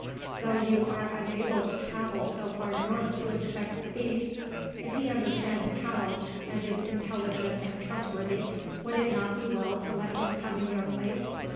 "Though you are unable to travel so far north to inspect the beasts, if he understands cattle, and is intelligent and trustworthy, would it not be well to let him come in your place?